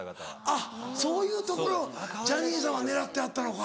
あっそういうところをジャニーさんは狙ってはったのか。